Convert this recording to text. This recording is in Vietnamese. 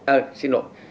à xin lỗi